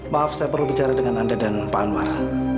maaf saya perlu bicara dengan anda dan pak anwar